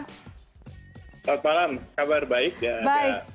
selamat malam kabar baik